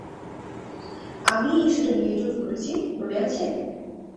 আমিই ইস্যুটা নিয়ে জোর করেছি, মনে আছে?